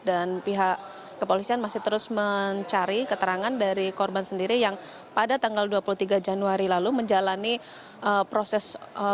dan pihak kepolisian masih terus mencari keterangan dari korban sendiri yang pada tanggal dua puluh tiga januari lalu menjalani proses